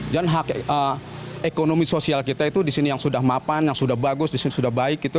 dan hak ekonomi sosial kita itu disini yang sudah mapan yang sudah bagus disini sudah baik gitu